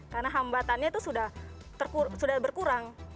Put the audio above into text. karena hambatannya itu sudah berkurang